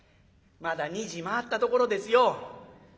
「まだ２時回ったところですよ」。